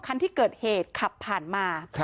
คันที่เกิดเหตุขับผ่านมา